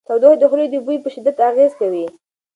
تودوخه د خولې د بوی په شدت اغېز کوي.